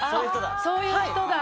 そういう人だ！